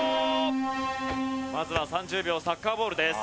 まずは３０秒サッカーボールです。